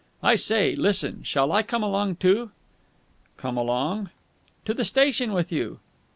"I say, listen. Shall I come along, too?" "Come along?" "To the station. With you."